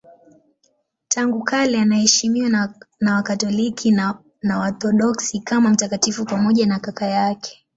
Tangu kale anaheshimiwa na Wakatoliki na Waorthodoksi kama mtakatifu pamoja na kaka yake.